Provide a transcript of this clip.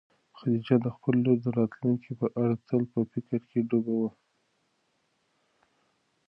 خدیجه د خپلې لور د راتلونکي په اړه تل په فکر کې ډوبه وه.